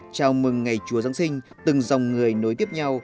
chào mừng ngày chùa giáng sinh từng dòng người nối tiếp nhau